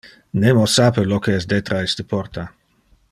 Nemo sape lo que es detra iste porta.